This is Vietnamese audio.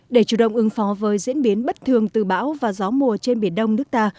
để chủ động ứng phó với diễn biến bất thường từ bão và gió mùa trên biển đông nước ta